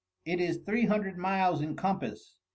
It is Three Hundred Miles in Compass.